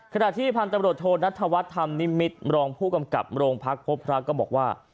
ขณะที่พันธบริโฑธโทรณัฐวัฒน์ธรรมนิมิตรองผู้กำกับโรงพักภพพระก็บอกว่า